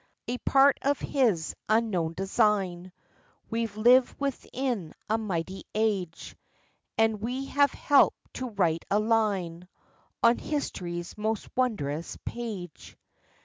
A part of His unknown design, We've lived within a mighty age; And we have helped to write a line On history's most wondrous page.